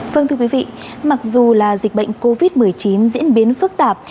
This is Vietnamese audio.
vâng thưa quý vị mặc dù là dịch bệnh covid một mươi chín diễn biến phức tạp